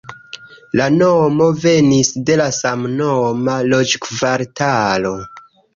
La nomo venis de la samnoma loĝkvartalo.